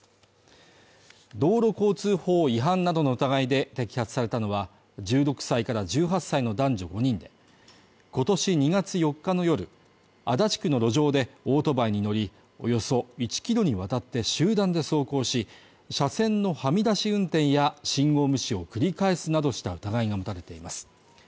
道路交通法違反などの疑いで摘発されたのは１６歳から１８歳の男女５人で、今年２月４日の夜、足立区の路上でオートバイに乗りおよそ１ｋｍにわたって集団で走行し、車線のはみ出し運転や信号無視を繰り返すなどした疑いが持たれています。